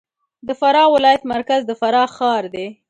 د فراه ولایت مرکز د فراه ښار دی